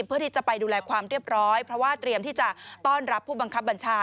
เพื่อที่จะไปดูแลความเรียบร้อยเพราะว่าเตรียมที่จะต้อนรับผู้บังคับบัญชา